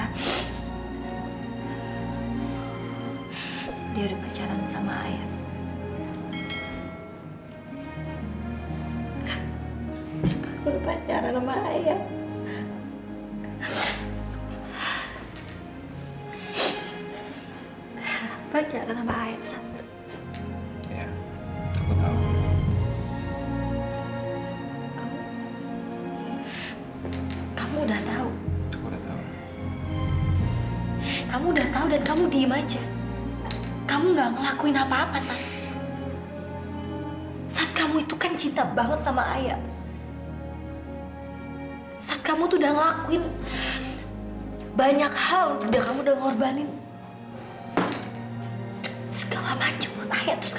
terima kasih banyak banyak